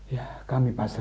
ya kami pasrah